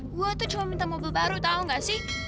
gue tuh cuma minta mobil baru tau gak sih